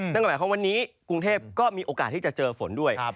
นั่นก็หมายความว่าวันนี้กรุงเทพก็มีโอกาสที่จะเจอฝนด้วย